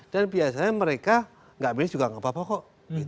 dan biasanya mereka gak milih juga gak apa apa kok